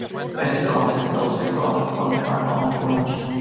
Este concepto se contrapone a confluencia.